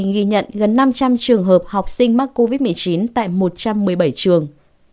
ghi nhận gần năm trăm linh trường hợp học sinh mắc covid một mươi chín tại một trăm một mươi bảy trường